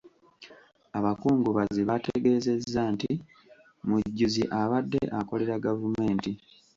Abakungubazi baategeezezza nti Mujuzi abadde akolera gavumenti.